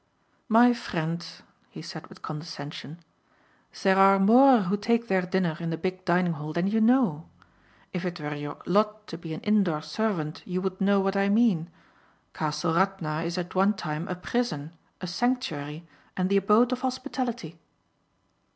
"My friend," he said with condescension, "there are more who take their dinner in the big dining hall than you know. If it were your lot to be an indoor servant you would know what I mean. Castle Radna is at one time a prison, a sanctuary and the abode of hospitality."